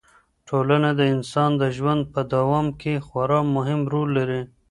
ټولنه د انسان د ژوند په دوام کې خورا مهم رول لري.